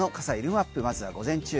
マップまずは午前中。